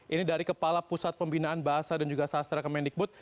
ini dari kepala pusat pembinaan bahasa dan juga sastra kemendikbud